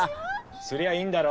すりゃあいいんだろ！